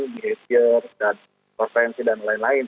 behavior dan provinsi dan lain lain